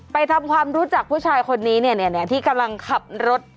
ทำความรู้จักผู้ชายคนนี้เนี่ยที่กำลังขับรถ